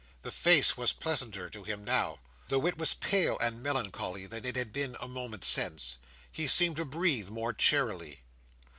The face was pleasanter to him now, though it was pale and melancholy, than it had been a moment since. He seemed to breathe more cheerily.